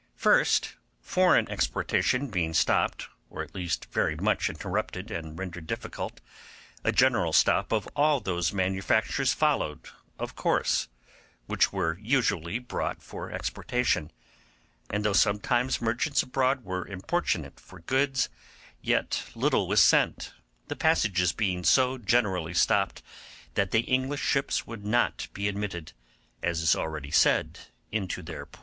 First, foreign exportation being stopped or at least very much interrupted and rendered difficult, a general stop of all those manufactures followed of course which were usually brought for exportation; and though sometimes merchants abroad were importunate for goods, yet little was sent, the passages being so generally stopped that the English ships would not be admitted, as is said already, into their port.